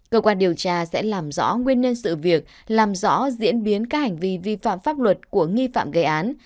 cơ quan điều tra sẽ làm rõ nguyên nhân sự việc làm rõ diễn biến các hành vi vi phạm pháp luật của nghi phạm gây án